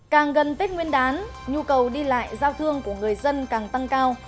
càng gần tết nguyên đán nhu cầu đi lại giao thương của người dân càng tăng cao